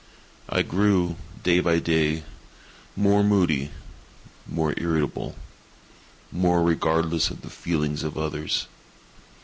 I grew, day by day, more moody, more irritable, more regardless of the feelings of others.